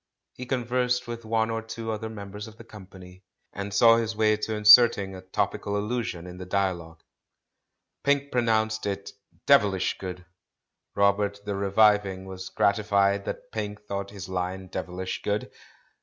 He conversed with one or two other members of the company, and saw his way to inserting a topical allusion in the 408 THE MAN WHO UNDERSTOOD WOMEN dialogue. Pink pronounced it "devilish good." Robert the Reviving was gratified that Pink thought his line "devilish good."